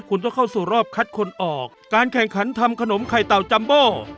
คุณต้องเข้าสู่รอบคัดคนออกการแข่งขันทำขนมไข่เต่าจัมโบ